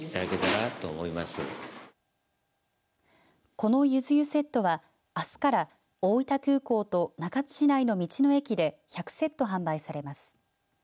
このゆず湯セットはあすから大分空港と中津市内の道の駅で１００セット販売されます。